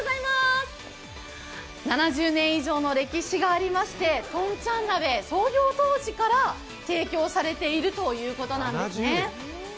７０年以上の歴史がありましてとんちゃん鍋、創業当時から提供されているということなんですね。